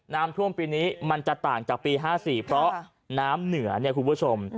น้ำท่วมปีนี้มันจะต่างจากปี๕๔เพราะน้ำเหนือเนี่ยคุณผู้ชม